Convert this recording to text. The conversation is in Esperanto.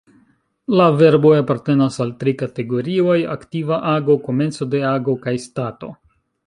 La verboj apartenas al tri kategorioj: aktiva ago, komenco de ago kaj stato.